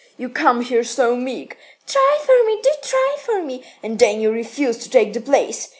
You come here so meek 'Try for me, do try for me' and then you refuse to take the place.